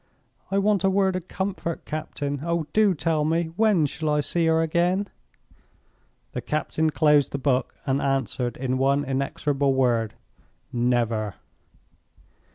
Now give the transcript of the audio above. "I want a word of comfort, captain. Oh, do tell me, when shall I see her again?" The captain closed the book, and answered in one inexorable word: "Never!"